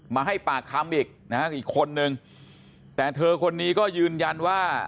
มาให้ปากคำอีกนะฮะอีกคนนึงแต่เธอคนนี้ก็ยืนยันว่า